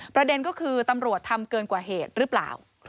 ประเด็นก็คือตำรวจทำเกินกว่าเหตุหรือเปล่า